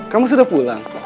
kamu sudah pulang